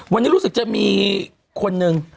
วันนี้รู้สึกจะมีคนหนึ่ง